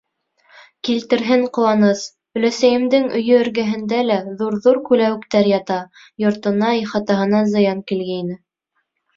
Килтерһен ҡыуаныс — Өләсәйемдең өйө эргәһендә лә ҙур-ҙур күләүектәр ята, йортона, ихатаһына зыян килгәйне.